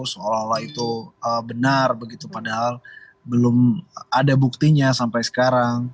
seolah olah itu benar begitu padahal belum ada buktinya sampai sekarang